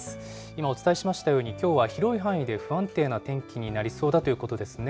今、お伝えしましたように、きょうは広い範囲で不安定な天気になりそうだということですね。